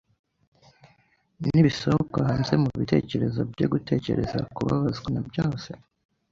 Nibisohoka hanze mubitekerezo byo gutekereza kubabazwa na byose?